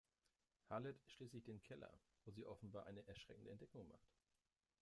Hallet schließlich den Keller, wo sie offenbar eine erschreckende Entdeckung macht.